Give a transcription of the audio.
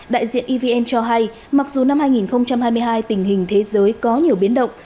đại diện evn cho hay mặc dù năm hai nghìn hai mươi hai tình hình thế giới có nhiều biến động